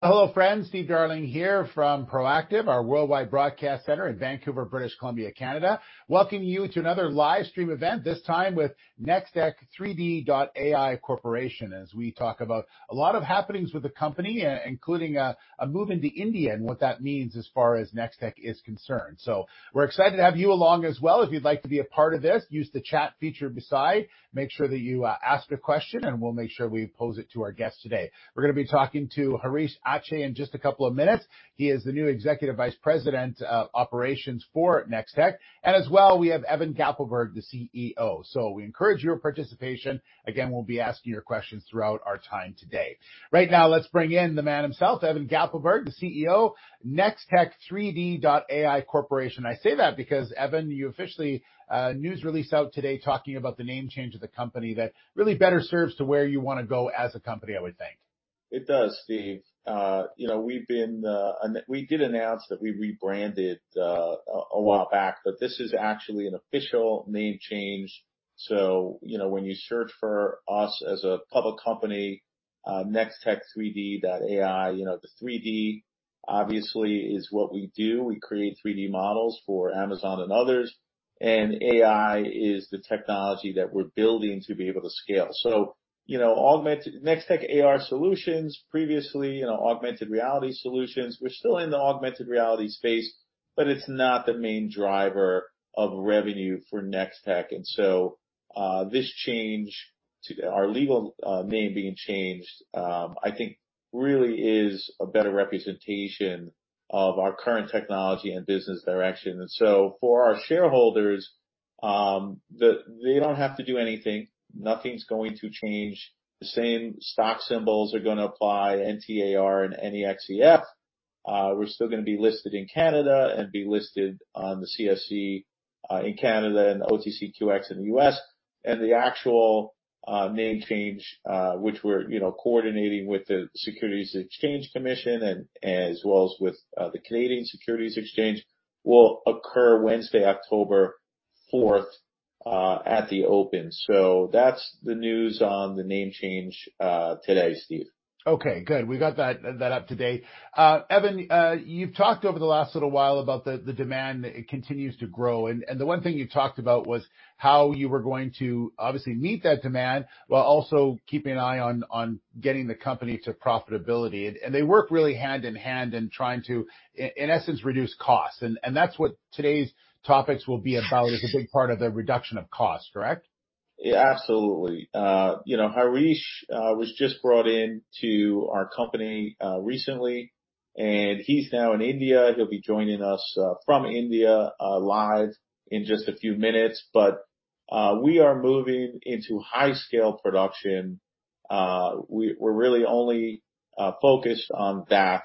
Hello, friends. Steve Darling here from Proactive, our worldwide broadcast center in Vancouver, British Columbia, Canada. Welcoming you to another live stream event, this time with Nextech3D.ai Corporation, as we talk about a lot of happenings with the company, including a move into India and what that means as far as Nextech3D.ai is concerned. So we're excited to have you along as well. If you'd like to be a part of this, use the chat feature beside. Make sure that you ask a question, and we'll make sure we pose it to our guests today. We're gonna be talking to Hareesh Achi in just a couple of minutes. He is the new Executive Vice President of Operations for Nextech3D.ai. And as well, we have Evan Gappelberg, the CEO. So we encourage your participation. Again, we'll be asking your questions throughout our time today. Right now, let's bring in the man himself, Evan Gappelberg, the CEO, Nextech3D.ai Corporation. I say that because, Evan, you officially news release out today talking about the name change of the company that really better serves to where you wanna go as a company, I would think. It does, Steve. You know, we've been, we did announce that we rebranded, a while back, but this is actually an official name change. So, you know, when you search for us as a public company, Nextech3D.ai, you know, the 3D, obviously, is what we do. We create 3D models for Amazon and others, and AI is the technology that we're building to be able to scale. So, you know, augmented—Nextech AR Solutions, previously, you know, augmented reality solutions. We're still in the augmented reality space, but it's not the main driver of revenue for Nextech. And so, this change to—our legal name being changed, I think, really is a better representation of our current technology and business direction. And so for our shareholders, they don't have to do anything. Nothing's going to change. The same stock symbols are gonna apply, NTAR and NEXCF. We're still gonna be listed in Canada and be listed on the CSE, in Canada, and OTCQX in the US. And the actual name change, which we're, you know, coordinating with the Securities Exchange Commission and, as well as with, the Canadian Securities Exchange, will occur Wednesday, October 4th, at the open. So that's the news on the name change, today, Steve. Okay, good. We got that, that up to date. Evan, you've talked over the last little while about the demand. It continues to grow. And the one thing you talked about was how you were going to, obviously, meet that demand while also keeping an eye on getting the company to profitability. And they work really hand in hand in trying to, in essence, reduce costs. And that's what today's topics will be about, is a big part of the reduction of costs, correct? Yeah, absolutely. You know, Hareesh was just brought in to our company recently, and he's now in India. He'll be joining us from India live in just a few minutes. But we are moving into high-scale production. We're really only focused on that.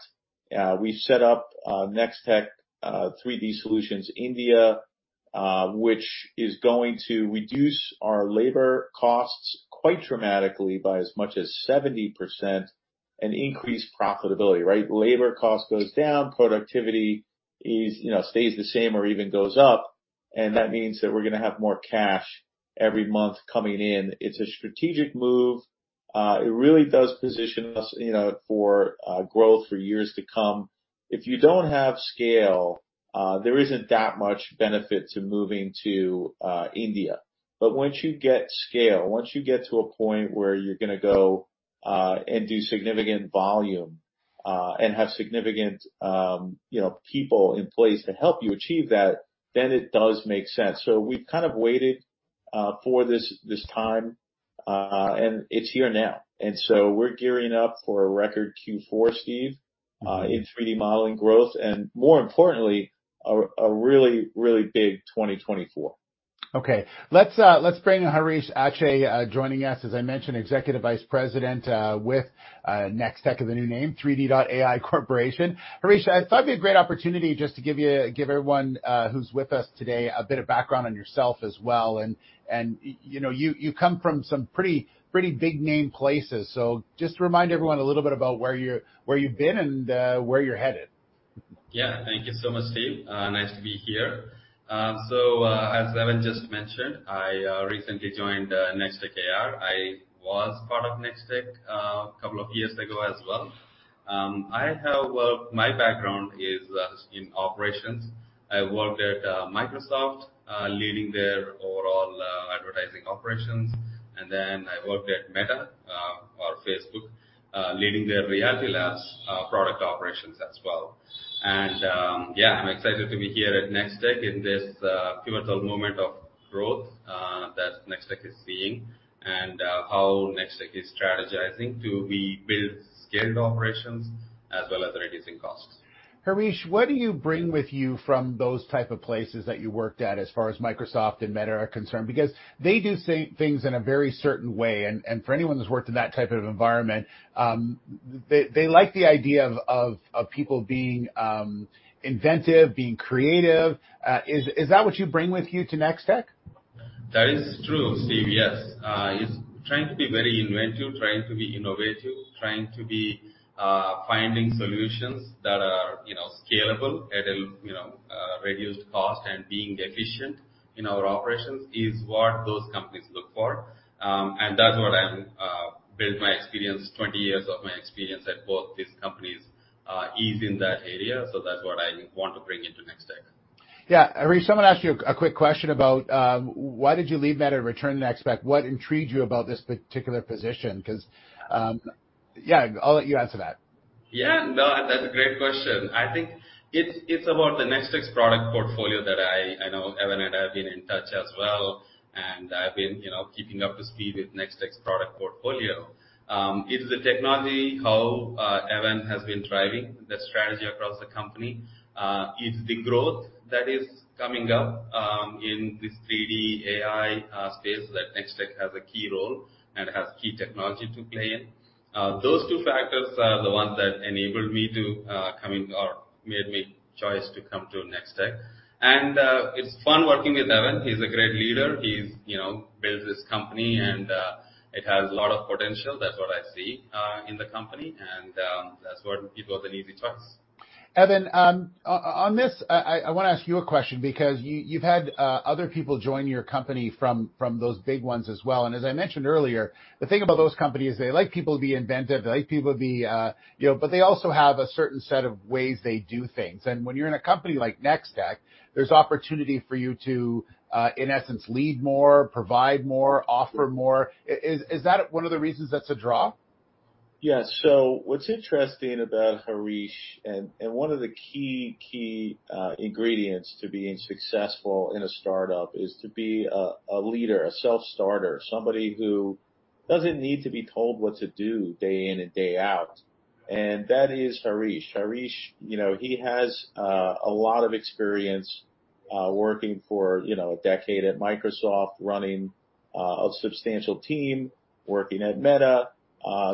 We set up Nextech 3D Solutions India, which is going to reduce our labor costs quite dramatically by as much as 70% and increase profitability, right? Labor cost goes down, productivity is, you know, stays the same or even goes up, and that means that we're gonna have more cash every month coming in. It's a strategic move. It really does position us, you know, for growth for years to come. If you don't have scale, there isn't that much benefit to moving to India. But once you get scale, once you get to a point where you're gonna go, and do significant volume, and have significant, you know, people in place to help you achieve that, then it does make sense. So we've kind of waited, for this, this time, and it's here now. And so we're gearing up for a record Q4, Steve, in 3D modeling growth, and more importantly, a really, really big 2024. Okay. Let's, let's bring in Hareesh Achi, joining us, as I mentioned, Executive Vice President, with, Nextech3D.ai Corporation. Hareesh, I thought it'd be a great opportunity just to give you- give everyone, who's with us today, a bit of background on yourself as well. And, you know, you come from some pretty big name places. So just remind everyone a little bit about where you're-- where you've been and, where you're headed. Yeah. Thank you so much, Steve. Nice to be here. So, as Evan just mentioned, I recently joined Nextech AR. I was part of Nextech a couple of years ago as well. I have... My background is in operations. I worked at Microsoft leading their overall advertising operations, and then I worked at Meta or Facebook leading their Reality Labs product operations as well. Yeah, I'm excited to be here at Nextech in this pivotal moment of growth that Nextech is seeing, and how Nextech is strategizing to rebuild scaled operations as well as reducing costs. Hareesh, what do you bring with you from those type of places that you worked at as far as Microsoft and Meta are concerned? Because they do certain things in a very certain way, and for anyone who's worked in that type of environment, they like the idea of people being inventive, being creative. Is that what you bring with you to Nextech? That is true, Steve. Yes. It's trying to be very inventive, trying to be innovative, trying to be finding solutions that are, you know, scalable at a, you know, reduced cost and being efficient in our operations is what those companies look for. And that's what I'm built my experience, 20 years of my experience at both these companies, is in that area, so that's what I want to bring into Nextech. Yeah. Hareesh, I'm gonna ask you a quick question about why did you leave Meta and return to Nextech? What intrigued you about this particular position? Because, yeah, I'll let you answer that. Yeah, no, that's a great question. I think it's about Nextech's product portfolio that I know Evan and I have been in touch as well, and I've been, you know, keeping up to speed with Nextech's product portfolio. It's the technology, how Evan has been driving the strategy across the company. It's the growth that is coming up in this 3D AI space that Nextech has a key role and has key technology to play in. Those two factors are the ones that enabled me to come in or made my choice to come to Nextech. It's fun working with Evan. He's a great leader. He's, you know, built this company, and it has a lot of potential. That's what I see in the company, and that's what it was an easy choice. Evan, on this, I wanna ask you a question because you've had other people join your company from those big ones as well. And as I mentioned earlier, the thing about those companies, they like people to be inventive, they like people to be. You know, but they also have a certain set of ways they do things. And when you're in a company like Nextech, there's opportunity for you to in essence lead more, provide more, offer more. Is that one of the reasons that's a draw? Yes. So what's interesting about Hareesh, and one of the key, key, ingredients to being successful in a startup is to be a leader, a self-starter, somebody who doesn't need to be told what to do day in and day out, and that is Hareesh. Hareesh, you know, he has a lot of experience working for, you know, a decade at Microsoft, running a substantial team, working at Meta.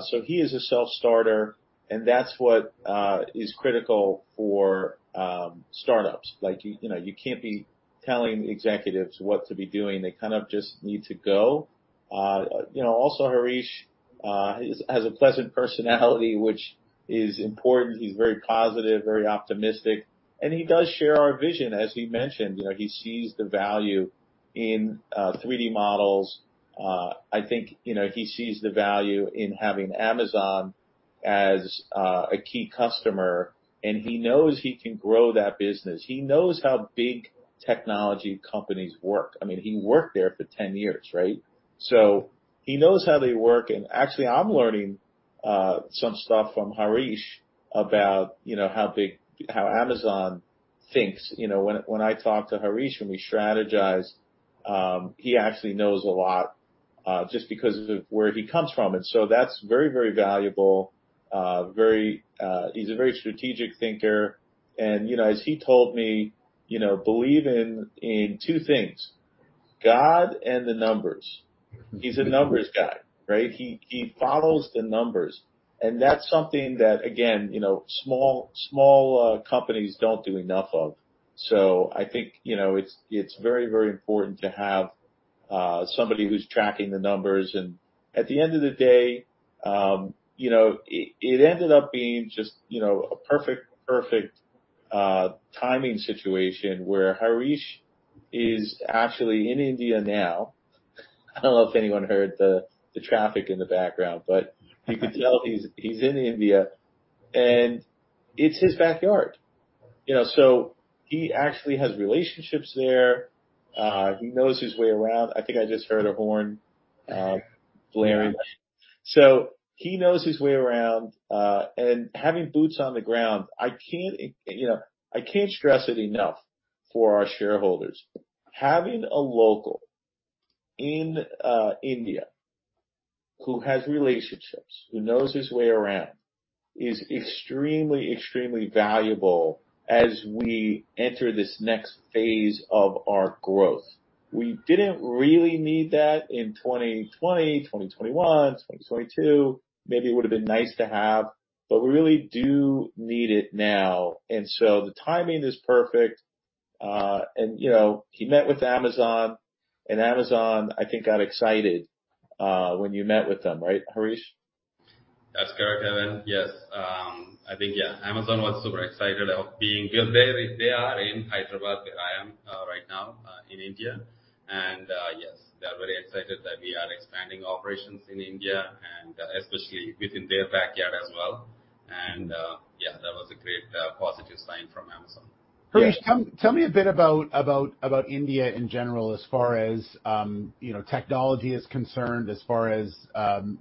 So he is a self-starter, and that's what is critical for startups. Like, you know, you can't be telling executives what to be doing. They kind of just need to go. You know, also, Hareesh, he has a pleasant personality, which is important. He's very positive, very optimistic, and he does share our vision, as he mentioned. You know, he sees the value in 3D models. I think, you know, he sees the value in having Amazon as a key customer, and he knows he can grow that business. He knows how big technology companies work. I mean, he worked there for 10 years, right? So he knows how they work, and actually, I'm learning some stuff from Hareesh about, you know, how Amazon thinks. You know, when I talk to Hareesh, when we strategize, he actually knows a lot just because of where he comes from, and so that's very, very valuable. Very... He's a very strategic thinker, and, you know, as he told me, you know, "Believe in two things, God and the numbers." He's a numbers guy, right? He follows the numbers, and that's something that, again, you know, small companies don't do enough of. So I think, you know, it's very, very important to have somebody who's tracking the numbers. And at the end of the day, you know, it ended up being just, you know, a perfect, perfect timing situation where Hareesh is actually in India now. I don't know if anyone heard the traffic in the background, but you could tell he's in India, and it's his backyard. You know, so he actually has relationships there. He knows his way around. I think I just heard a horn blaring. Yeah. So he knows his way around, and having boots on the ground, I can't, you know, I can't stress it enough for our shareholders. Having a local in India, who has relationships, who knows his way around, is extremely, extremely valuable as we enter this next phase of our growth. We didn't really need that in 2020, 2021, 2022. Maybe it would've been nice to have, but we really do need it now. And so the timing is perfect. And, you know, he met with Amazon, and Amazon, I think, got excited when you met with them, right, Hareesh? That's correct, Evan. Yes, I think, yeah, Amazon was super excited of being... Because they are in Hyderabad, where I am right now, in India. Yes, they're very excited that we are expanding operations in India and especially within their backyard as well. Yeah, that was a great positive sign from Amazon. Hareesh, tell me a bit about India in general, as far as, you know, technology is concerned, as far as,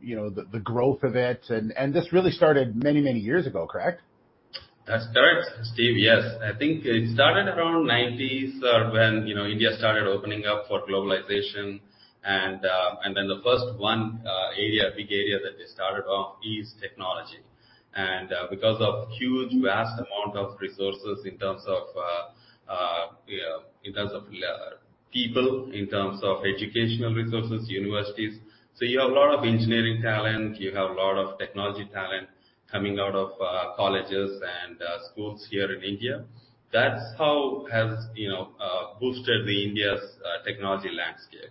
you know, the growth of it. And this really started many, many years ago, correct? That's correct, Steve. Yes. I think it started around the 1990s, when, you know, India started opening up for globalization. And then the first one, area, big area that they started off is technology. And because of huge, vast amount of resources in terms of, in terms of people, in terms of educational resources, universities. So you have a lot of engineering talent, you have a lot of technology talent coming out of colleges and schools here in India. That's how has, you know, boosted India's technology landscape.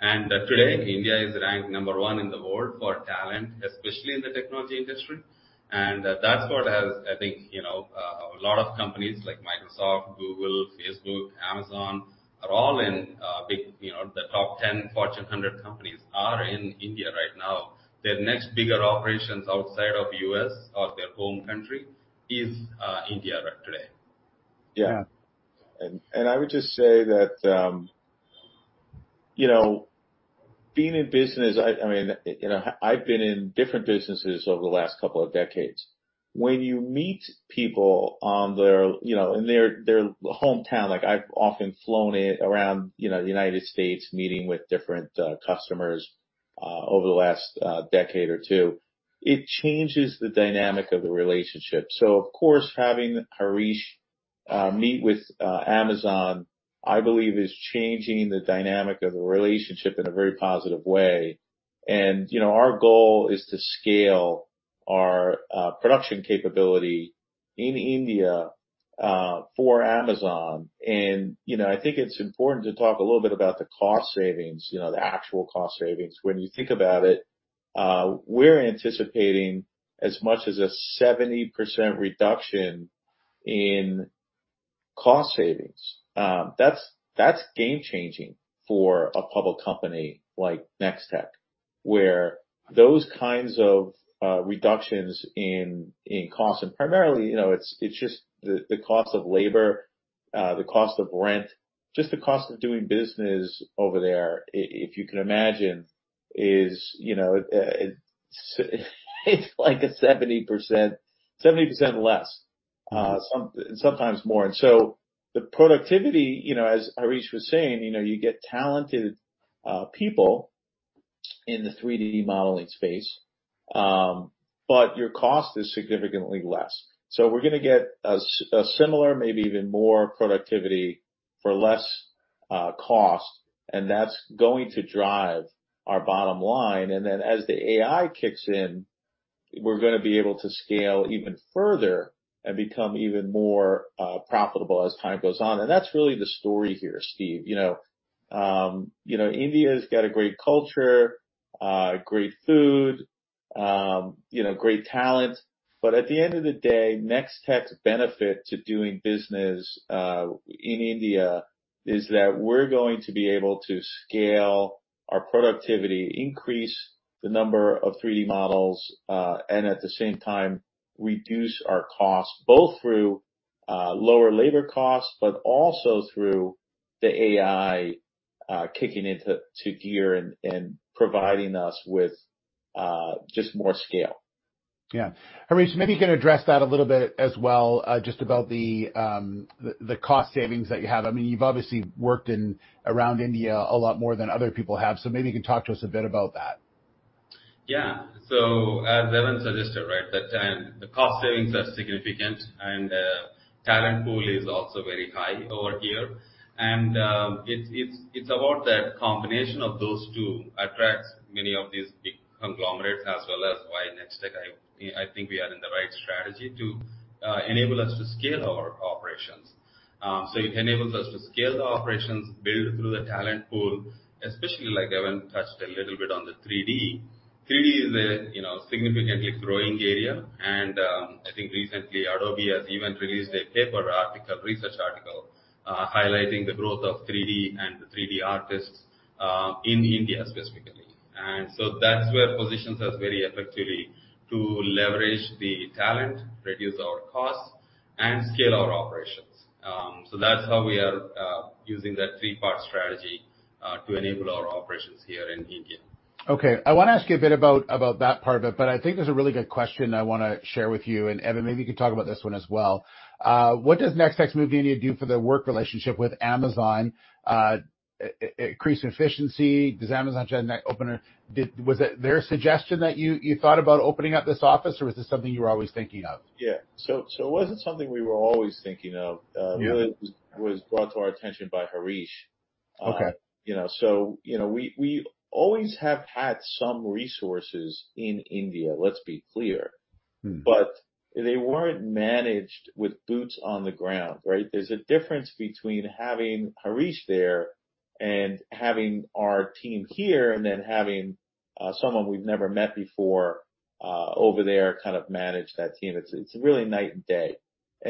And today, India is ranked number one in the world for talent, especially in the technology industry. That's what has, I think, you know, a lot of companies like Microsoft, Google, Facebook, Amazon are all in big, you know, the top ten Fortune 100 companies are in India right now. Their next bigger operations outside of U.S. or their home country is India right today. Yeah. I would just say that, you know, being in business, I mean, you know, I've been in different businesses over the last couple of decades. When you meet people on their, you know, in their hometown, like, I've often flown in around, you know, the United States, meeting with different customers over the last decade or two, it changes the dynamic of the relationship. So, of course, having Hareesh meet with Amazon, I believe, is changing the dynamic of the relationship in a very positive way. And, you know, our goal is to scale our production capability in India for Amazon. And, you know, I think it's important to talk a little bit about the cost savings, you know, the actual cost savings. When you think about it, we're anticipating as much as a 70% reduction in cost savings. That's game-changing for a public company like Nextech, where those kinds of reductions in costs, and primarily, you know, it's just the cost of labor, the cost of rent, just the cost of doing business over there, if you can imagine, is, you know, it's like a 70%, 70% less, and sometimes more. And so the productivity, you know, as Hareesh was saying, you know, you get talented people in the 3D modeling space, but your cost is significantly less. So we're gonna get a similar, maybe even more productivity for less cost, and that's going to drive our bottom line. As the AI kicks in, we're gonna be able to scale even further and become even more profitable as time goes on. And that's really the story here, Steve. You know, India's got a great culture, great food, you know, great talent. But at the end of the day, Nextech's benefit to doing business in India is that we're going to be able to scale our productivity, increase the number of 3D models, and at the same time, reduce our costs, both through lower labor costs, but also through the AI kicking into gear and providing us with just more scale. Yeah. Hareesh, maybe you can address that a little bit as well, just about the cost savings that you have. I mean, you've obviously worked in around India a lot more than other people have, so maybe you can talk to us a bit about that. Yeah. So as Evan suggested, right, that the cost savings are significant, and talent pool is also very high over here. And it's about that combination of those two attracts many of these big conglomerates, as well as why Nextech, I think we are in the right strategy to enable us to scale our operations. So it enables us to scale the operations, build through the talent pool, especially like Evan touched a little bit on the 3D. 3D is a you know, significantly growing area, and I think recently, Adobe has even released a paper article, research article, highlighting the growth of 3D and 3D artists in India, specifically. And so that's where positions us very effectively to leverage the talent, reduce our costs, and scale our operations. So that's how we are using that three-part strategy to enable our operations here in India. Okay, I want to ask you a bit about, about that part of it, but I think there's a really good question I want to share with you, and, Evan, maybe you could talk about this one as well. What does Nextech's move to India do for the work relationship with Amazon? Increase efficiency? Does Amazon share in that opener...? Was it their suggestion that you, you thought about opening up this office, or was this something you were always thinking of? Yeah. So, it wasn't something we were always thinking of. Yeah. Really, it was brought to our attention by Hareesh. Okay. You know, so, you know, we always have had some resources in India, let's be clear. Mm. But they weren't managed with boots on the ground, right? There's a difference between having Hareesh there and having our team here, and then having someone we've never met before over there kind of manage that team. It's really night and day.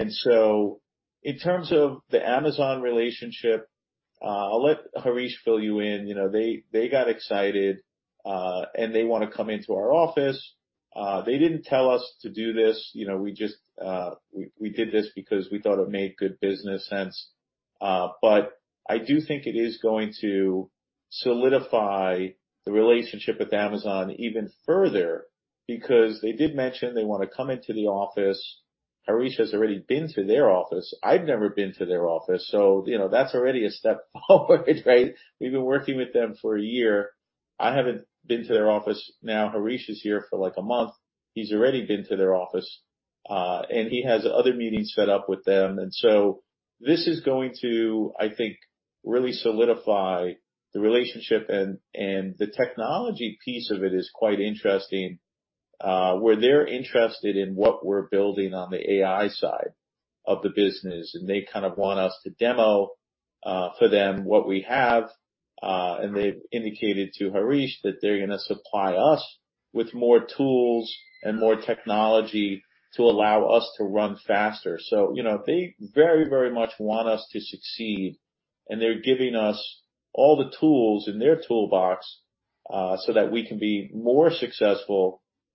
So in terms of the Amazon relationship, I'll let Hareesh fill you in. You know, they got excited and they want to come into our office. They didn't tell us to do this, you know, we just did this because we thought it made good business sense. But I do think it is going to solidify the relationship with Amazon even further, because they did mention they want to come into the office. Hareesh has already been to their office. I've never been to their office, so you know, that's already a step forward, right? We've been working with them for a year. I haven't been to their office. Now, Hareesh is here for, like, a month. He's already been to their office, and he has other meetings set up with them. So this is going to, I think, really solidify the relationship, and the technology piece of it is quite interesting, where they're interested in what we're building on the AI side of the business, and they kind of want us to demo for them what we have. They've indicated to Hareesh that they're gonna supply us with more tools and more technology to allow us to run faster. So, you know, they very, very much want us to succeed, and they're giving us all the tools in their toolbox, so that we can be more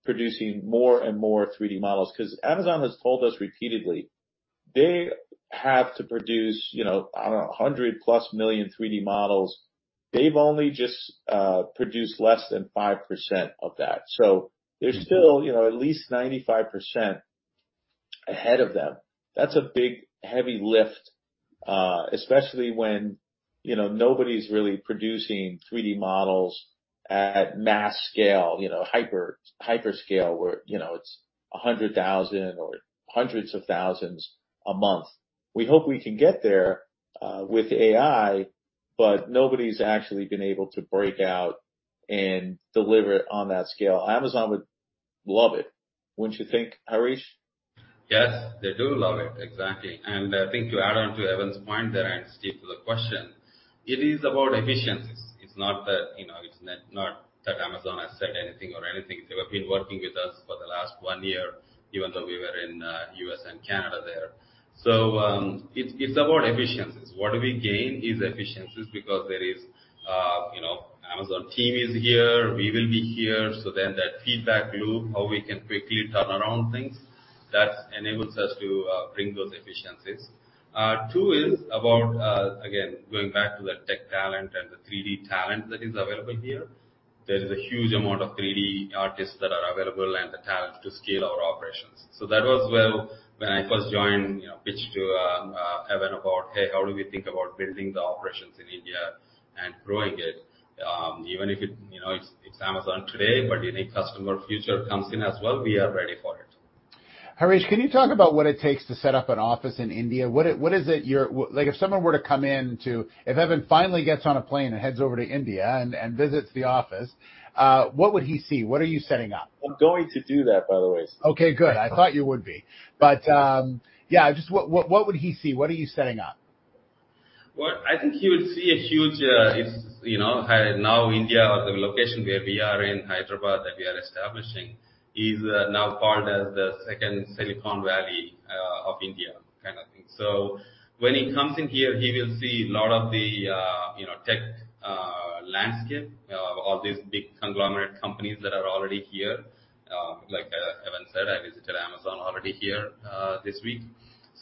successful producing more and more 3D models. Because Amazon has told us repeatedly, they have to produce, you know, I don't know, 100+ million 3D models. They've only just produced less than 5% of that. So there's still, you know, at least 95% ahead of them. That's a big, heavy lift, especially when, you know, nobody's really producing 3D models at mass scale, you know, hyper, hyper scale, where, you know, it's 100,000 or hundreds of thousands a month. We hope we can get there with AI, but nobody's actually been able to break out and deliver it on that scale. Amazon would love it, wouldn't you think, Hareesh? Yes, they do love it. Exactly. And I think to add on to Evan's point there, and Steve, to the question, it is about efficiencies. It's not that, you know, it's not, not that Amazon has said anything or anything. They have been working with us for the last 1 year, even though we were in U.S. and Canada there. So, it's about efficiencies. What we gain is efficiencies because there is, you know, Amazon team is here, we will be here, so then that feedback loop, how we can quickly turn around things, that enables us to bring those efficiencies. Two is about, again, going back to the tech talent and the 3D talent that is available here. There is a huge amount of 3D artists that are available and the talent to scale our operations. So that was, well, when I first joined, you know, pitched to Evan about, "Hey, how do we think about building the operations in India and growing it?" Even if it, you know, it's Amazon today, but any customer future comes in as well, we are ready for it. Hareesh, can you talk about what it takes to set up an office in India? What is it you're—like, if someone were to come in to... If Evan finally gets on a plane and heads over to India and visits the office, what would he see? What are you setting up? I'm going to do that, by the way. Okay, good. I thought you would be. But, yeah, just what, what, what would he see? What are you setting up? Well, I think he would see a huge, it's, you know, now India or the location where we are in Hyderabad, that we are establishing, is, now called as the second Silicon Valley, of India, kind of thing. So when he comes in here, he will see a lot of the, you know, tech, landscape, all these big conglomerate companies that are already here. Like, Evan said, I visited Amazon already here, this week.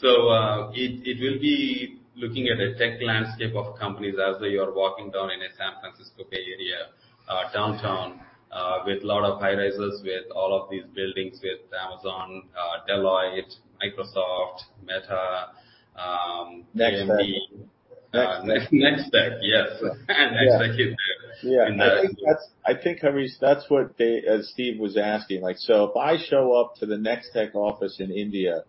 So, it, it will be looking at a tech landscape of companies as you are walking down in a San Francisco Bay Area, downtown, with a lot of high-rises, with all of these buildings, with Amazon, Deloitte, Microsoft, Meta, Nextech. Nextech, yes. And Nextech is there. Yeah. I think that's. I think, Hareesh, that's what they. Steve was asking. Like, so if I show up to the Nextech office in India,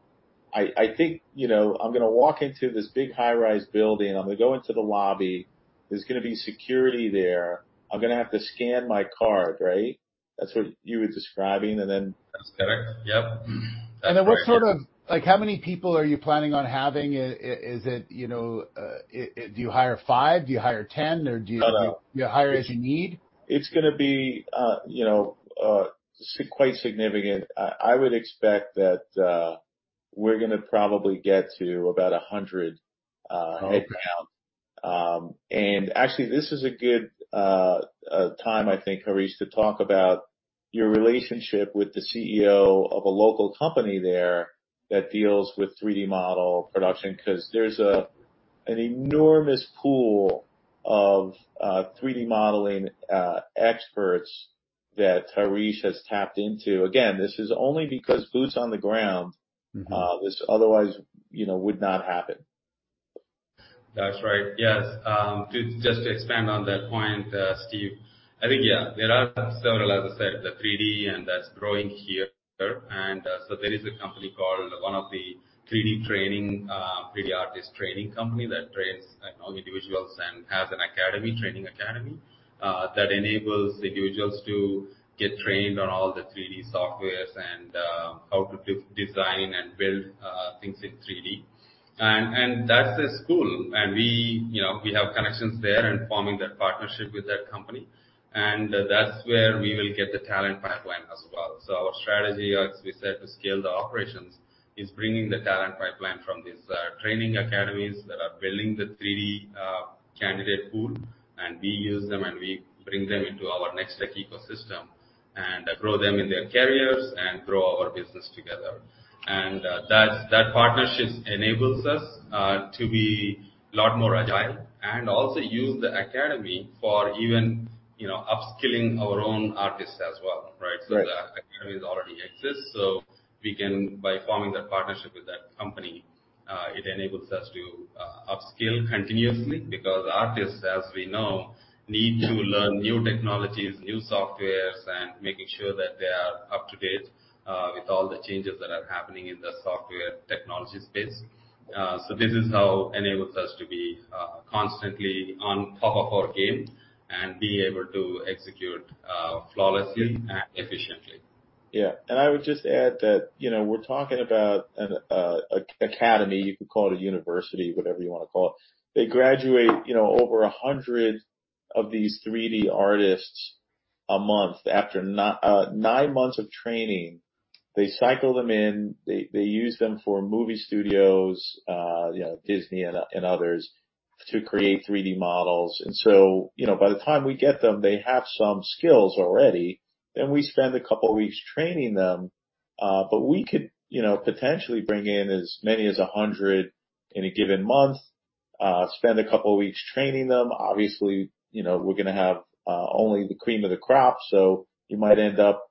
I think, you know, I'm gonna walk into this big high-rise building. I'm gonna go into the lobby. There's gonna be security there. I'm gonna have to scan my card, right? That's what you were describing, and then- That's correct. Yep. And then what sort of... Like, how many people are you planning on having? Is it, you know, do you hire 5? Do you hire 10, or do you- No, no. You hire as you need? It's gonna be, you know, quite significant. I would expect that we're gonna probably get to about 100 headcount. And actually, this is a good time, I think, Hareesh, to talk about your relationship with the CEO of a local company there that deals with 3D model production, 'cause there's an enormous pool of 3D modeling experts that Hareesh has tapped into. Again, this is only because boots on the ground- Mm-hmm. This otherwise, you know, would not happen. That's right. Yes, just to expand on that point, Steve, I think, yeah, there are several, as I said, the 3D, and that's growing here. And, so there is a company called one of the 3D training, 3D artist training company that trains individuals and has an academy, training academy, that enables individuals to get trained on all the 3D software and, how to design and build things in 3D. And that's the school, and we, you know, we have connections there and forming that partnership with that company. And that's where we will get the talent pipeline as well. So our strategy, as we said, to scale the operations, is bringing the talent pipeline from these training academies that are building the 3D candidate pool, and we use them, and we bring them into our Nextech ecosystem, and grow them in their careers and grow our business together. And that partnership enables us to be a lot more agile and also use the academy for even, you know, upskilling our own artists as well, right? Right. So the academy already exists, so we can, by forming that partnership with that company, it enables us to upskill continuously. Because artists, as we know, need to learn new technologies, new softwares, and making sure that they are up-to-date, with all the changes that are happening in the software technology space. So this is how enables us to be constantly on top of our game and be able to execute flawlessly and efficiently. Yeah. And I would just add that, you know, we're talking about an academy, you could call it a university, whatever you wanna call it. They graduate, you know, over 100 of these 3D artists a month. After nine months of training, they cycle them in, they use them for movie studios, you know, Disney and others, to create 3D models. And so, you know, by the time we get them, they have some skills already, then we spend a couple of weeks training them, but we could, you know, potentially bring in as many as 100 in a given month, spend a couple of weeks training them. Obviously, you know, we're gonna have only the cream of the crop, so you might end up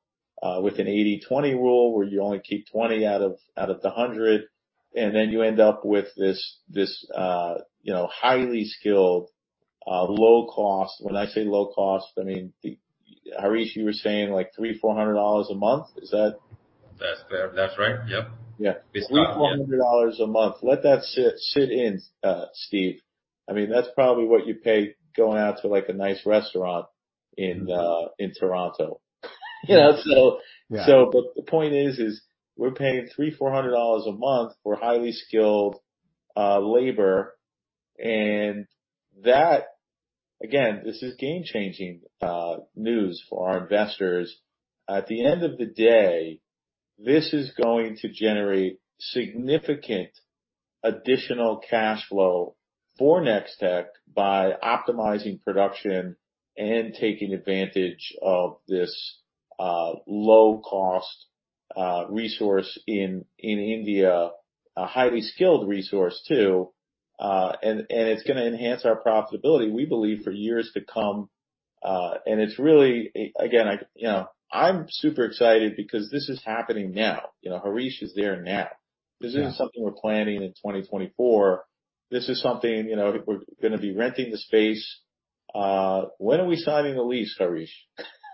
with an 80/20 rule, where you only keep 20 out of the 100, and then you end up with this, you know, highly skilled, low cost... When I say low cost, I mean, the—Hareesh, you were saying, like, $300-$400 a month? Is that- That's fair. That's right. Yep. Yeah. It's yeah- 300-400 dollars a month. Let that sit in, Steve. I mean, that's probably what you pay going out to, like, a nice restaurant in Toronto. You know, so- Yeah. So but the point is, we're paying $300-$400 a month for highly skilled labor, and that... Again, this is game-changing news for our investors. At the end of the day, this is going to generate significant additional cash flow for Nextech by optimizing production and taking advantage of this low cost resource in India, a highly skilled resource, too. And it's gonna enhance our profitability, we believe, for years to come. And it's really, again, I, you know, I'm super excited because this is happening now. You know, Hareesh is there now. Yeah. This isn't something we're planning in 2024. This is something, you know, we're gonna be renting the space. When are we signing the lease, Hareesh?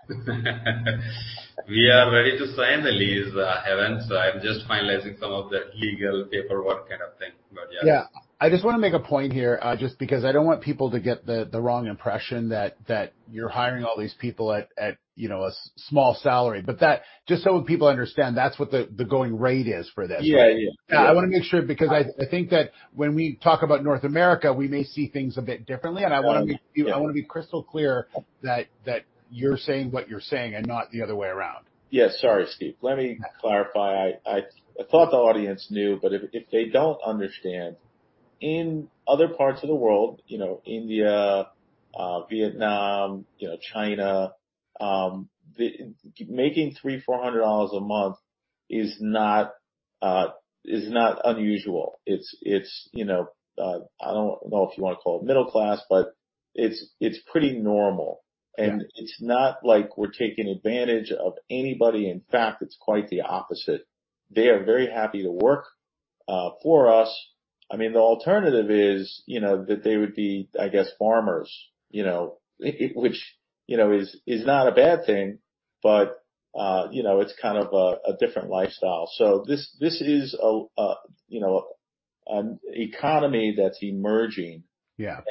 We are ready to sign the lease, Evan, so I'm just finalizing some of the legal paperwork kind of thing, but yeah. Yeah. I just wanna make a point here, just because I don't want people to get the wrong impression that you're hiring all these people at, you know, a small salary. But that, just so people understand, that's what the going rate is for this. Yeah, yeah. I wanna make sure, because I think that when we talk about North America, we may see things a bit differently- Yeah. and I wanna be, I wanna be crystal clear that, that you're saying what you're saying and not the other way around. Yeah, sorry, Steve. Let me clarify. I thought the audience knew, but if they don't understand, in other parts of the world, you know, India, Vietnam, you know, China, making $300-$400 a month is not unusual. It's, you know, I don't know if you wanna call it middle class, but it's pretty normal. Yeah. It's not like we're taking advantage of anybody. In fact, it's quite the opposite. They are very happy to work for us. I mean, the alternative is, you know, that they would be, I guess, farmers, you know, which, you know, is not a bad thing, but you know, it's kind of a you know, an economy that's emerging. Yeah.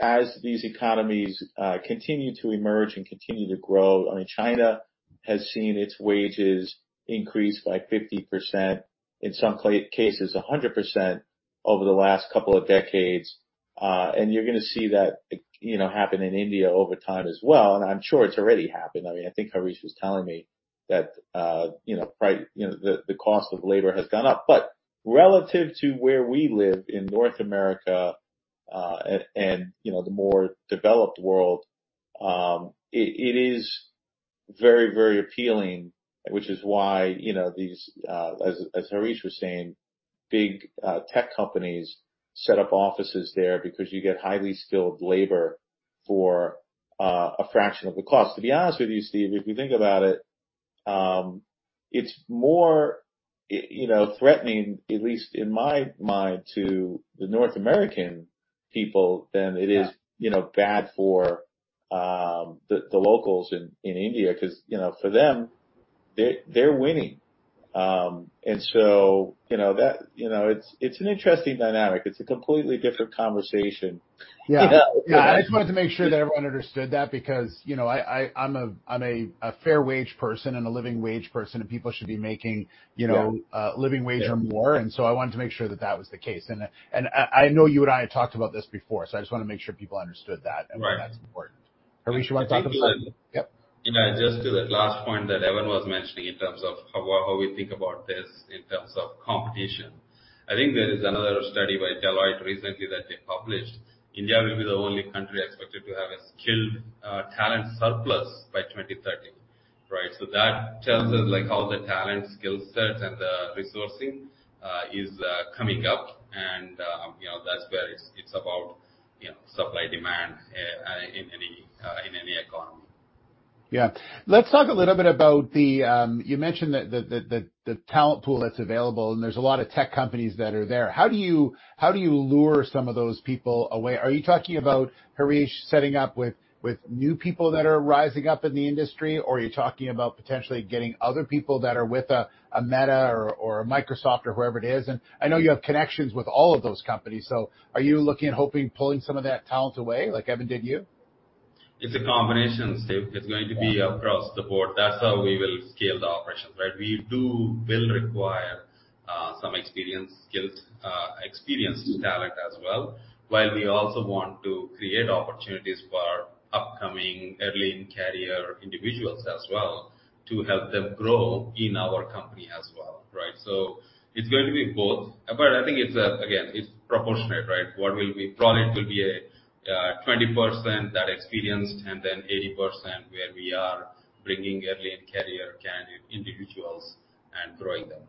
As these economies continue to emerge and continue to grow. I mean, China has seen its wages increase by 50%, in some cases 100% over the last couple of decades, and you're gonna see that, you know, happen in India over time as well, and I'm sure it's already happened. I mean, I think Hareesh was telling me that, you know, the cost of labor has gone up. But relative to where we live in North America, and, you know, the more developed world, it is very, very appealing, which is why, you know, these, as Hareesh was saying, big tech companies set up offices there because you get highly skilled labor for a fraction of the cost. To be honest with you, Steve, if you think about it, it's more, you know, threatening, at least in my mind, to the North American people than it is- Yeah You know, bad for the locals in India, 'cause, you know, for them, they're winning. And so, you know, that, you know, it's an interesting dynamic. It's a completely different conversation. Yeah. Yeah. I just wanted to make sure that everyone understood that because, you know, I'm a fair wage person and a living wage person, and people should be making, you know- Yeah... living wage or more. Yeah. And so I wanted to make sure that that was the case. I know you and I have talked about this before, so I just wanna make sure people understood that. Right - and why that's important. Hareesh, you want to talk about it? Yep. You know, just to the last point that Evan was mentioning in terms of how we think about this in terms of competition. I think there is another study by Deloitte recently that they published. India will be the only country expected to have a skilled talent surplus by 2030. Right? So that tells us, like, how the talent skill set and the resourcing is coming up and, you know, that's where it's about, you know, supply, demand, you know-... Yeah. Let's talk a little bit about the, you mentioned that, the talent pool that's available, and there's a lot of tech companies that are there. How do you lure some of those people away? Are you talking about Hareesh setting up with new people that are rising up in the industry? Or are you talking about potentially getting other people that are with a Meta or a Microsoft or whoever it is? And I know you have connections with all of those companies, so are you looking and hoping, pulling some of that talent away, like Evan, did you? It's a combination, Steve. It's going to be across the board. That's how we will scale the operations, right? We will require some experience, skills, experienced talent as well, while we also want to create opportunities for upcoming early-in-career individuals as well, to help them grow in our company as well, right? So it's going to be both. But I think it's, again, it's proportionate, right? What will be... Probably, it will be a 20% that experienced, and then 80% where we are bringing early-in-career individuals and growing them.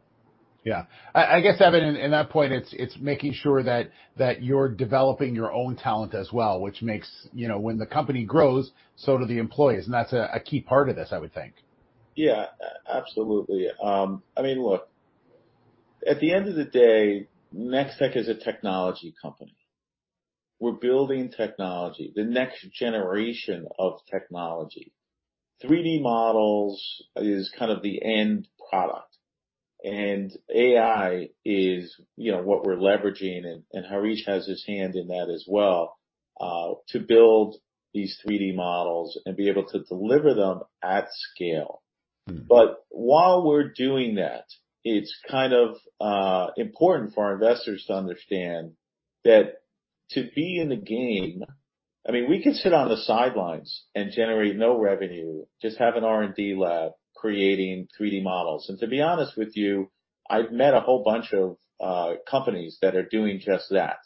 Yeah. I guess, Evan, in that point, it's making sure that you're developing your own talent as well, which makes... You know, when the company grows, so do the employees, and that's a key part of this, I would think. Yeah, absolutely. I mean, look, at the end of the day, Nextech is a technology company. We're building technology, the next generation of technology. 3D models is kind of the end product, and AI is, you know, what we're leveraging, and Hareesh has his hand in that as well, to build these 3D models and be able to deliver them at scale. Mm-hmm. But while we're doing that, it's kind of important for our investors to understand that to be in the game... I mean, we could sit on the sidelines and generate no revenue, just have an R&D lab creating 3D models. And to be honest with you, I've met a whole bunch of companies that are doing just that,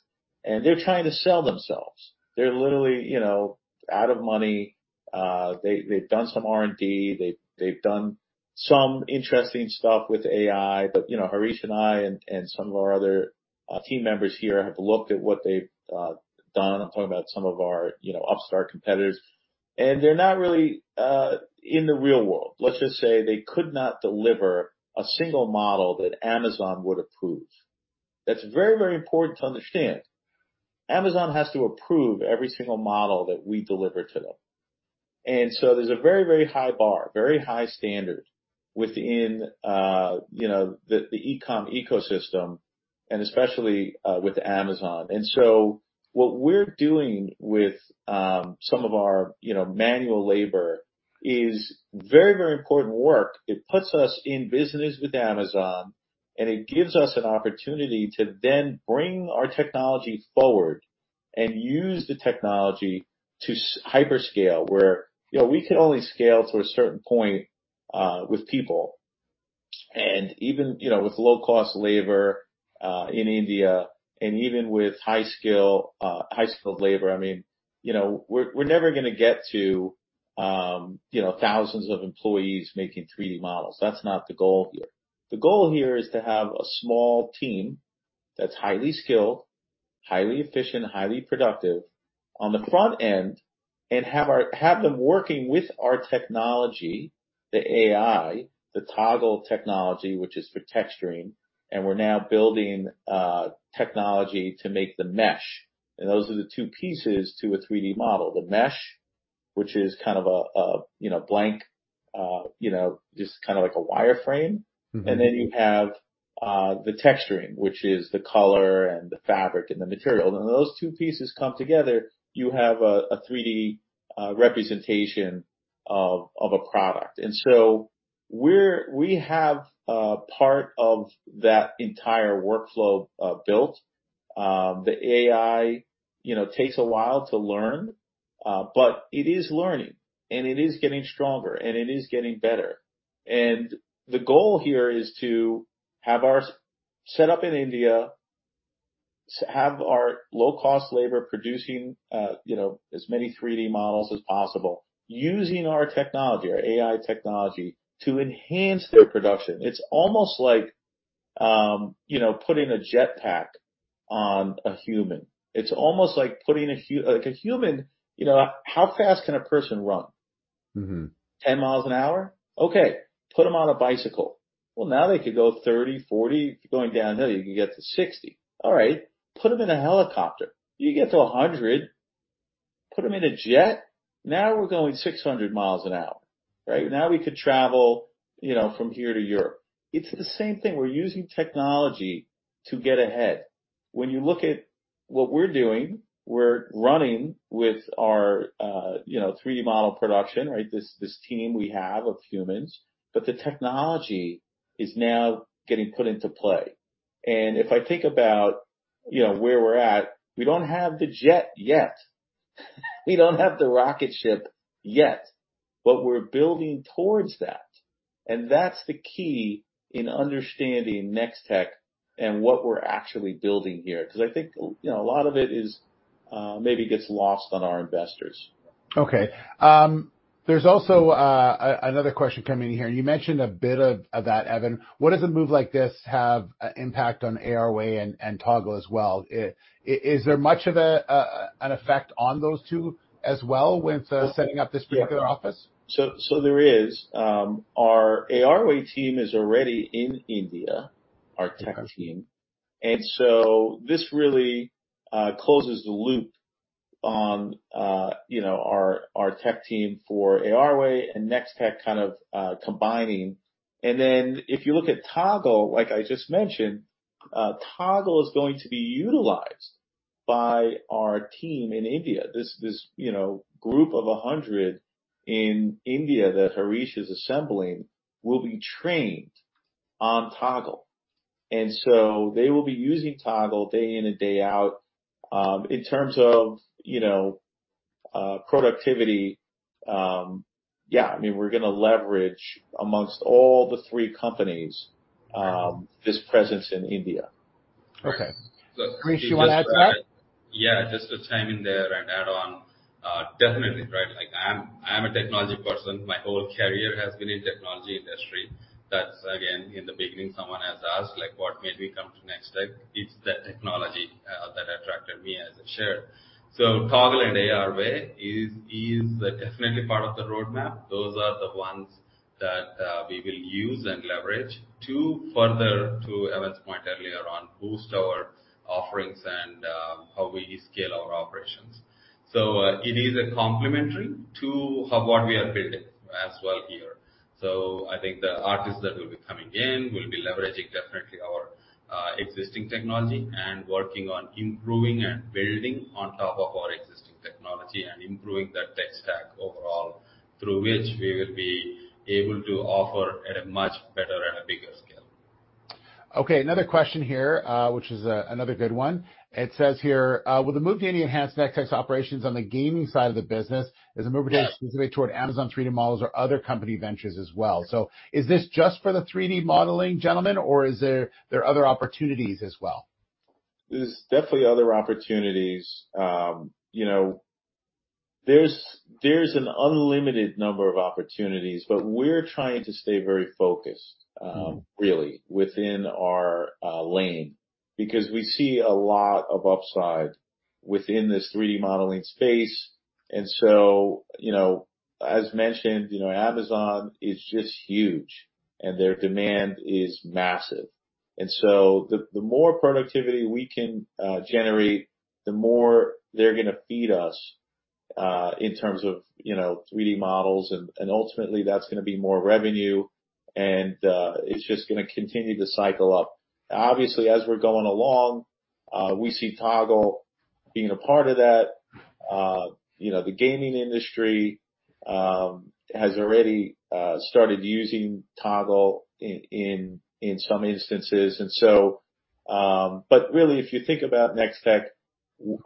and they're trying to sell themselves. They're literally, you know, out of money. They've done some R&D, they've done some interesting stuff with AI, but, you know, Hareesh and I and some of our other team members here have looked at what they've done. I'm talking about some of our, you know, upstart competitors, and they're not really in the real world. Let's just say they could not deliver a single model that Amazon would approve. That's very, very important to understand. Amazon has to approve every single model that we deliver to them. And so there's a very, very high bar, very high standard within, you know, the e-com ecosystem, and especially with Amazon. And so what we're doing with some of our, you know, manual labor is very, very important work. It puts us in business with Amazon, and it gives us an opportunity to then bring our technology forward and use the technology to hyperscale, where, you know, we can only scale to a certain point with people. And even, you know, with low-cost labor in India, and even with high-skill, high-skilled labor, I mean, you know, we're never gonna get to, you know, thousands of employees making 3D models. That's not the goal here. The goal here is to have a small team that's highly skilled, highly efficient, highly productive on the front end, and have them working with our technology, the AI, the Toggle technology, which is for texturing, and we're now building technology to make the mesh. And those are the two pieces to a 3D model: the mesh, which is kind of a, you know, blank, you know, just kind of like a wireframe. Mm-hmm. And then you have the texturing, which is the color and the fabric and the material. When those two pieces come together, you have a 3D representation of a product. And so we have part of that entire workflow built. The AI, you know, takes a while to learn, but it is learning, and it is getting stronger, and it is getting better. And the goal here is to have our set up in India, to have our low-cost labor producing, you know, as many 3D models as possible, using our technology, our AI technology, to enhance their production. It's almost like, you know, putting a jet pack on a human. It's almost like putting like a human, you know, how fast can a person run? Mm-hmm. 10 miles an hour? Okay, put them on a bicycle. Well, now they could go 30, 40. If you're going downhill, you can get to 60. All right, put them in a helicopter. You get to 100. Put them in a jet, now we're going 600 miles an hour, right? Now, we could travel, you know, from here to Europe. It's the same thing. We're using technology to get ahead. When you look at what we're doing, we're running with our, you know, 3D model production, right? This team we have of humans, but the technology is now getting put into play. And if I think about, you know, where we're at, we don't have the jet yet. We don't have the rocket ship yet, but we're building towards that, and that's the key in understanding Nextech and what we're actually building here, because I think, you know, a lot of it is, maybe gets lost on our investors. Okay. There's also another question coming in here, and you mentioned a bit of that, Evan. What does a move like this have impact on ARway and Toggle as well? Is there much of an effect on those two as well with setting up this particular office? So there is. Our ARway team is already in India... our tech team. And so this really closes the loop on, you know, our tech team for ARway and Nextech, kind of, combining. And then if you look at Toggle, like I just mentioned, Toggle is going to be utilized by our team in India. This, you know, group of 100 in India that Hareesh is assembling, will be trained on Toggle. And so they will be using Toggle day in and day out, in terms of, you know, productivity... Yeah, I mean, we're going to leverage amongst all the three companies, this presence in India. Okay. Hareesh, you want to add to that? Yeah, just to chime in there and add on. Definitely, right? Like, I'm a technology person. My whole career has been in technology industry. That's again, in the beginning, someone has asked, like, what made me come to Nextech? It's the technology that attracted me, as I shared. So Toggle and ARway is definitely part of the roadmap. Those are the ones that we will use and leverage to further, to Evan's point earlier on, boost our offerings and how we scale our operations. So it is a complementary to what we are building as well here. I think the artists that will be coming in will be leveraging definitely our existing technology and working on improving and building on top of our existing technology, and improving that tech stack overall, through which we will be able to offer at a much better and a bigger scale. Okay, another question here, which is another good one. It says here: With the move to India enhancing Nextech's operations on the gaming side of the business, is the move specifically toward Amazon 3D models or other company ventures as well? So is this just for the 3D modeling, gentlemen, or is there, there are other opportunities as well? There's definitely other opportunities. You know, there's an unlimited number of opportunities, but we're trying to stay very focused, really, within our lane, because we see a lot of upside within this 3D modeling space. And so, you know, as mentioned, you know, Amazon is just huge, and their demand is massive. And so the more productivity we can generate, the more they're gonna feed us in terms of, you know, 3D models, and ultimately, that's gonna be more revenue, and it's just gonna continue to cycle up. Obviously, as we're going along, we see Toggle being a part of that. You know, the gaming industry has already started using Toggle in some instances, and so... But really, if you think about Nextech,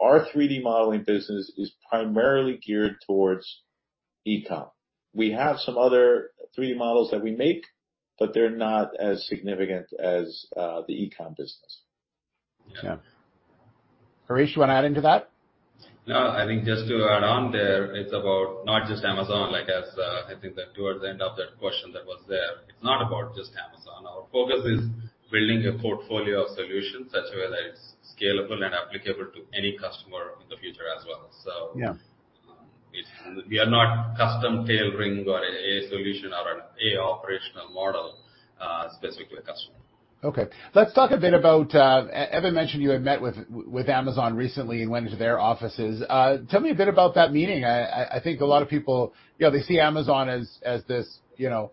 our 3D modeling business is primarily geared towards e-com. We have some other 3D models that we make, but they're not as significant as the e-com business. Yeah. Hareesh, you want to add into that? No, I think just to add on there, it's about not just Amazon. Like, as, I think that towards the end of that question that was there, it's not about just Amazon. Our focus is building a portfolio of solutions such a way that it's scalable and applicable to any customer in the future as well, so- Yeah. We are not custom tailoring or a solution or an operational model specific to a customer. Okay. Let's talk a bit about... Evan mentioned you had met with Amazon recently and went into their offices. Tell me a bit about that meeting. I think a lot of people, you know, they see Amazon as this, you know,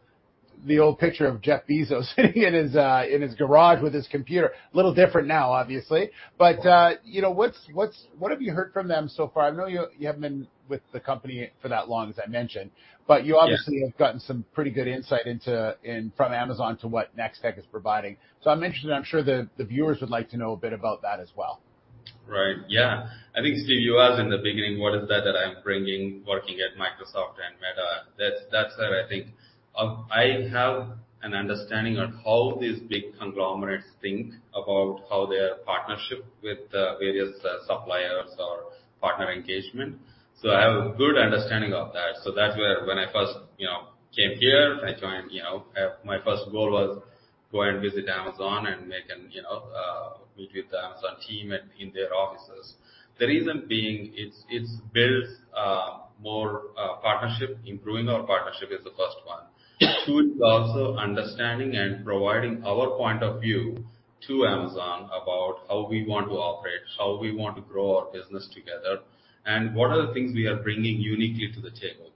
the old picture of Jeff Bezos sitting in his garage with his computer. A little different now, obviously. But, you know, what have you heard from them so far? I know you haven't been with the company for that long, as I mentioned, but you obviously- Yeah ...have gotten some pretty good insight into, from Amazon to what Nextech is providing. So I'm interested, and I'm sure the viewers would like to know a bit about that as well. Right. Yeah. I think, Steve, you asked in the beginning, what is that, that I'm bringing, working at Microsoft and Meta? That's, that's where I think, I have an understanding of how these big conglomerates think about how their partnership with, various, suppliers or partner engagement. So I have a good understanding of that. So that's where when I first, you know, came here, I joined... You know, my first goal was go and visit Amazon and make an, you know, meet with the Amazon team in, in their offices. The reason being, it's, it builds more partnership, improving our partnership is the first one. Two, is also understanding and providing our point of view to Amazon about how we want to operate, how we want to grow our business together, and what are the things we are bringing uniquely to the table.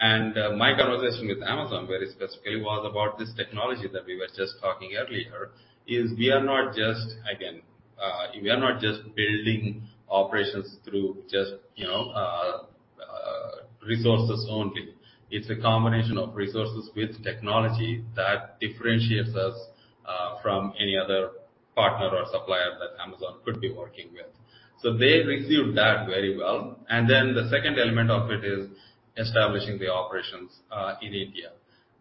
My conversation with Amazon, very specifically, was about this technology that we were just talking earlier. It is we are not just, again, we are not just building operations through just, you know, resources only. It's a combination of resources with technology that differentiates us from any other partner or supplier that Amazon could be working with. So they received that very well. And then the second element of it is establishing the operations in India.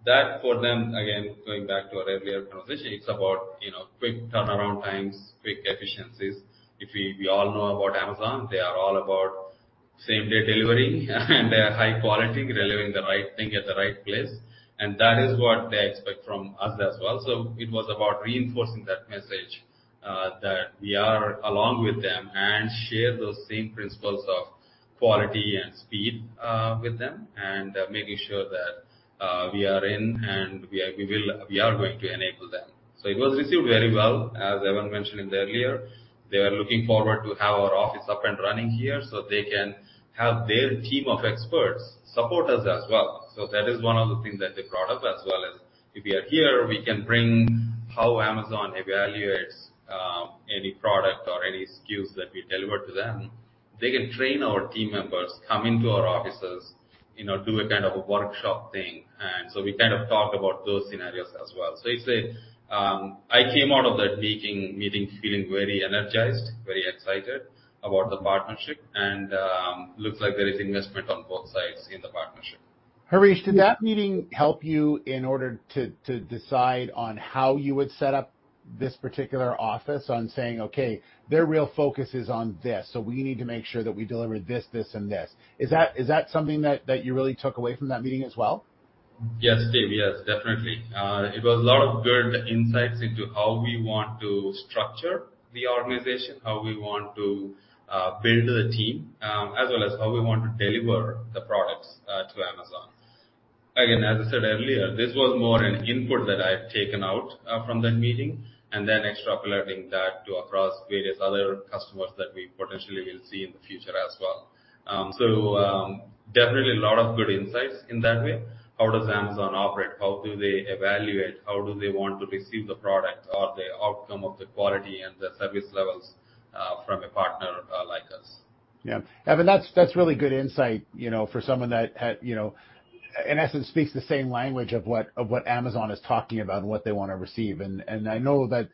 That, for them, again, going back to our earlier conversation, it's about, you know, quick turnaround times, quick efficiencies. We all know about Amazon. They are all about same-day delivery, and high quality, delivering the right thing at the right place, and that is what they expect from us as well. So it was about reinforcing that message... We are along with them and share those same principles of quality and speed with them, and making sure that we are going to enable them. So it was received very well. As Evan mentioned earlier, they are looking forward to have our office up and running here, so they can have their team of experts support us as well. So that is one of the things that they brought up, as well as if we are here, we can bring how Amazon evaluates any product or any SKUs that we deliver to them. They can train our team members, come into our offices, you know, do a kind of a workshop thing, and so we kind of talked about those scenarios as well. So it's a... I came out of that meeting feeling very energized, very excited about the partnership, and looks like there is investment on both sides in the partnership. Hareesh, did that meeting help you in order to, to decide on how you would set up this particular office on saying: Okay, their real focus is on this, so we need to make sure that we deliver this, this, and this. Is that, is that something that, that you really took away from that meeting as well? Yes, Steve. Yes, definitely. It was a lot of good insights into how we want to structure the organization, how we want to build the team, as well as how we want to deliver the products to Amazon. Again, as I said earlier, this was more an input that I've taken out from that meeting, and then extrapolating that to across various other customers that we potentially will see in the future as well. Definitely a lot of good insights in that way. How does Amazon operate? How do they evaluate? How do they want to receive the product or the outcome of the quality and the service levels from a partner like us? Yeah. Evan, that's, that's really good insight, you know, for someone that has, you know, in essence, speaks the same language of what, of what Amazon is talking about and what they want to receive. And, and I know that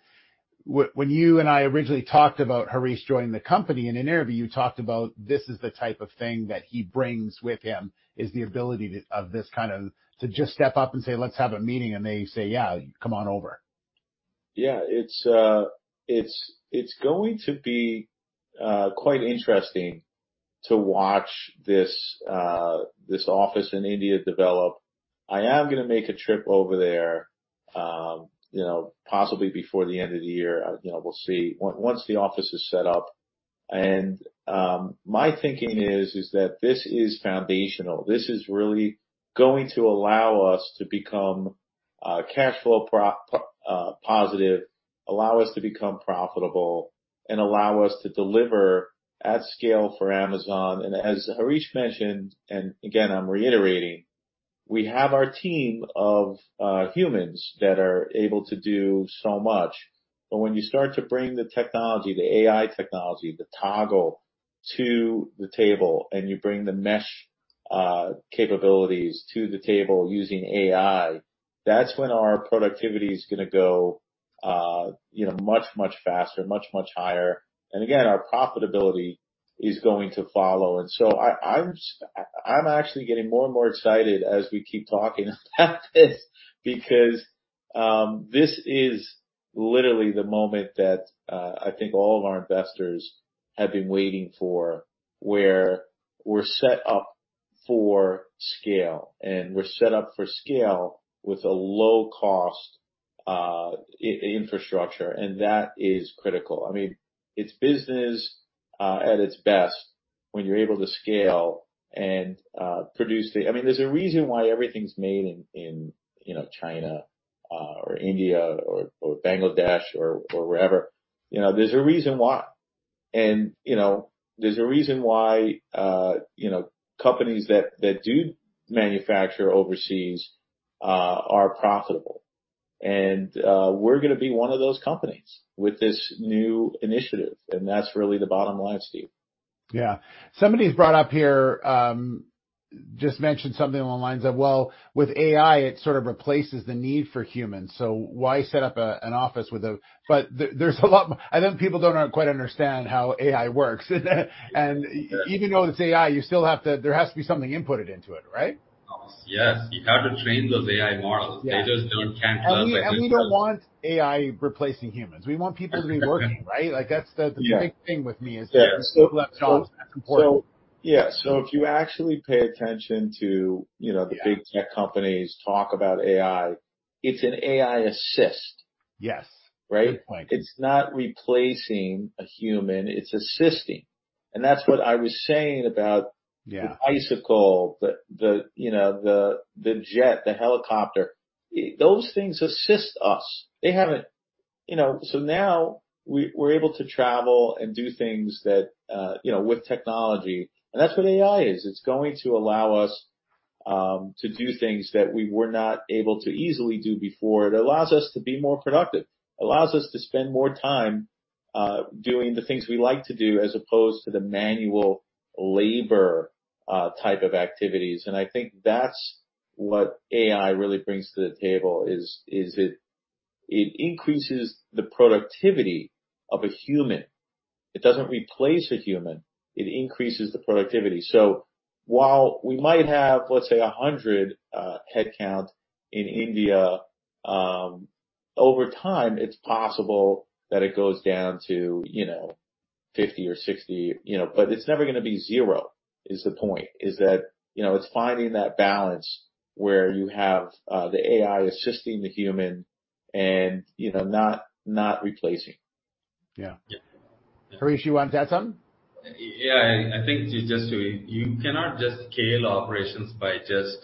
when you and I originally talked about Hareesh joining the company in an interview, you talked about this is the type of thing that he brings with him, is the ability of this kind of... to just step up and say: "Let's have a meeting," and they say, "Yeah, come on over. Yeah, it's going to be quite interesting to watch this office in India develop. I am gonna make a trip over there, you know, possibly before the end of the year. You know, we'll see. Once the office is set up, my thinking is that this is foundational. This is really going to allow us to become cash flow positive, allow us to become profitable, and allow us to deliver at scale for Amazon. And as Hareesh mentioned, and again, I'm reiterating, we have our team of humans that are able to do so much. But when you start to bring the technology, the AI technology, the Toggle, to the table, and you bring the mesh capabilities to the table using AI, that's when our productivity is gonna go, you know, much, much faster, much, much higher. And again, our profitability is going to follow. And so I'm actually getting more and more excited as we keep talking about this because this is literally the moment that I think all of our investors have been waiting for, where we're set up for scale, and we're set up for scale with a low cost infrastructure, and that is critical. I mean, it's business at its best when you're able to scale and produce the... I mean, there's a reason why everything's made in you know, China, or India or Bangladesh or wherever. You know, there's a reason why. And, you know, there's a reason why you know, companies that do manufacture overseas are profitable. And, we're gonna be one of those companies with this new initiative, and that's really the bottom line, Steve. Yeah. Somebody's brought up here, just mentioned something along the lines of: Well, with AI, it sort of replaces the need for humans, so why set up a, an office with a... But there, there's a lot. I think people don't quite understand how AI works. And even though it's AI, you still have to. There has to be something inputted into it, right? Yes. You have to train those AI models. Yeah. They can't just- And we don't want AI replacing humans. We want people to be working, right? Like, that's the- Yeah. The big thing with me is. Yeah... we still have jobs. That's important. Yeah. So if you actually pay attention to, you know- Yeah The big tech companies talk about AI, it's an AI assist. Yes. Right? Good point. It's not replacing a human, it's assisting. That's what I was saying about- Yeah... the bicycle, the you know, the jet, the helicopter. Those things assist us. They haven't... You know, so now we're able to travel and do things that, you know, with technology, and that's what AI is. It's going to allow us to do things that we were not able to easily do before. It allows us to be more productive, allows us to spend more time doing the things we like to do, as opposed to the manual labor type of activities. And I think that's what AI really brings to the table, is it increases the productivity of a human. It doesn't replace a human, it increases the productivity. So while we might have, let's say, 100 headcount in India, over time, it's possible that it goes down to, you know-... 50 or 60, you know, but it's never gonna be zero, is the point. Is that, you know, it's finding that balance where you have the AI assisting the human and, you know, not, not replacing. Yeah. Yeah. Hareesh, you want to add something? Yeah, I think to just to—you cannot just scale operations by just,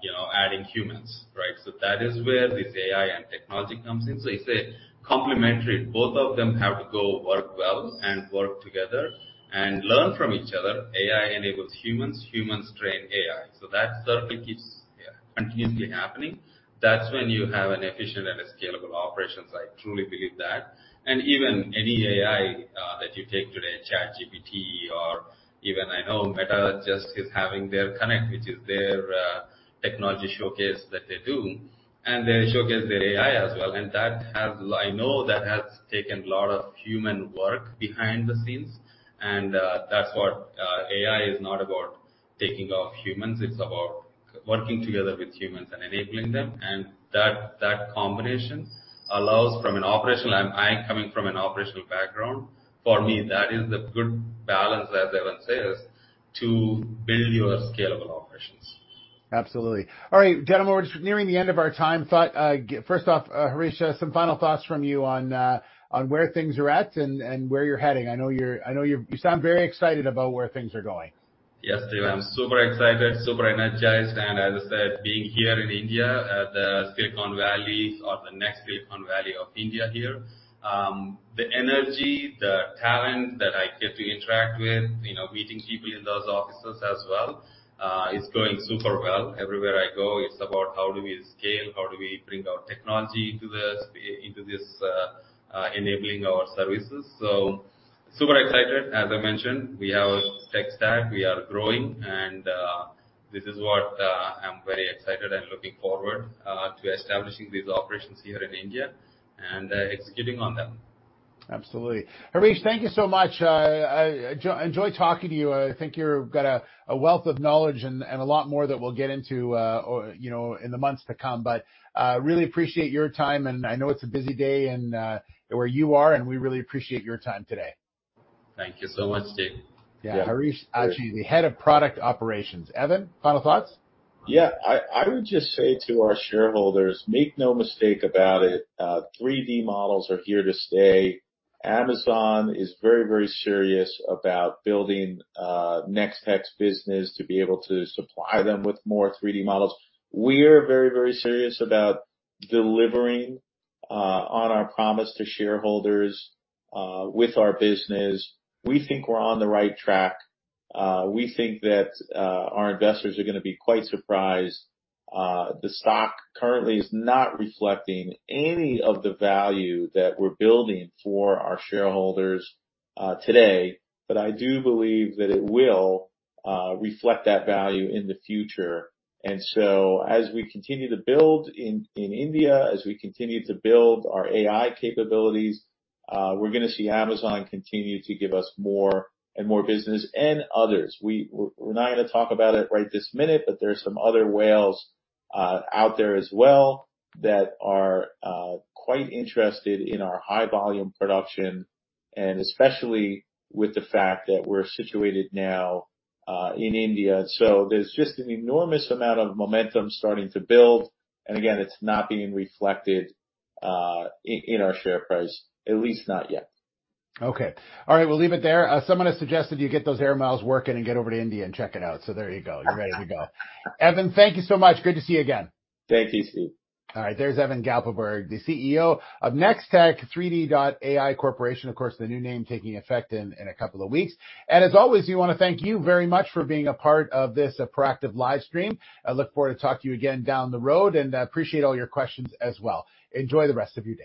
you know, adding humans, right? So that is where this AI and technology comes in. So it's a complementary. Both of them have to go work well and work together and learn from each other. AI enables humans, humans train AI, so that circle keeps, yeah, continuously happening. That's when you have an efficient and a scalable operations. I truly believe that. And even any AI that you take today, ChatGPT or even I know Meta just is having their Connect, which is their technology showcase that they do, and they showcase their AI as well, and that has... I know that has taken a lot of human work behind the scenes. That's what AI is not about taking off humans, it's about working together with humans and enabling them. And that combination allows from an operational, and I'm coming from an operational background, for me, that is the good balance, as Evan says, to build your scalable operations. Absolutely. All right, gentlemen, we're just nearing the end of our time. Thought, first off, Hareesh, some final thoughts from you on where things are at and where you're heading. I know you're you sound very excited about where things are going. Yes, Steve, I'm super excited, super energized, and as I said, being here in India, at the Silicon Valley or the next Silicon Valley of India here, the energy, the talent that I get to interact with, you know, meeting people in those offices as well, is going super well. Everywhere I go, it's about how do we scale, how do we bring our technology to this, into this, enabling our services? So super excited. As I mentioned, we have a tech stack, we are growing, and this is what I'm very excited and looking forward to establishing these operations here in India and executing on them. Absolutely. Hareesh, thank you so much. I enjoy talking to you. I think you've got a wealth of knowledge and a lot more that we'll get into, or, you know, in the months to come. But really appreciate your time, and I know it's a busy day and where you are, and we really appreciate your time today. Thank you so much, Steve. Yeah. Hareesh Achi, the Head of Product Operations. Evan, final thoughts? Yeah, I would just say to our shareholders, make no mistake about it, 3D models are here to stay. Amazon is very, very serious about building Nextech's business to be able to supply them with more 3D models. We're very, very serious about delivering on our promise to shareholders with our business. We think we're on the right track. We think that our investors are gonna be quite surprised. The stock currently is not reflecting any of the value that we're building for our shareholders today, but I do believe that it will reflect that value in the future. And so as we continue to build in India, as we continue to build our AI capabilities, we're gonna see Amazon continue to give us more and more business and others. We're not gonna talk about it right this minute, but there are some other whales out there as well that are quite interested in our high volume production, and especially with the fact that we're situated now in India. So there's just an enormous amount of momentum starting to build, and again, it's not being reflected in our share price, at least not yet. Okay. All right, we'll leave it there. Someone has suggested you get those air miles working and get over to India and check it out. So there you go. You're ready to go. Evan, thank you so much. Good to see you again. Thank you, Steve. All right. There's Evan Gappelberg, the CEO of Nextech3D.ai Corporation. Of course, the new name taking effect in a couple of weeks. And as always, we wanna thank you very much for being a part of this Proactive live stream. I look forward to talking to you again down the road, and I appreciate all your questions as well. Enjoy the rest of your day.